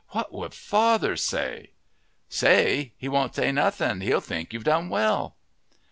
"What would father say?" "Say! He won't say nothing. He'll think you've done well."